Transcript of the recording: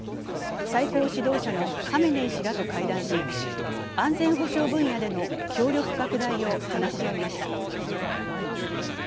最高指導者のハメネイ師らと会談し、安全保障分野での協力拡大を話し合いました。